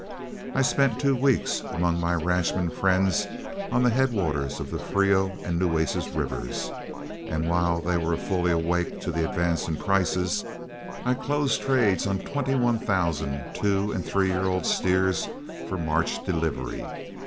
I spent two weeks among my ranchmen friends on the headwaters of the Frio and Nueces rivers, and while they were fully awake to the advance in prices, I closed trades on twenty one thousand two and three year old steers for March delivery.